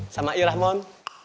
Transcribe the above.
sama irah mon